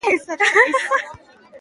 زه کولی سم چې په پښتو خبرې وکړم.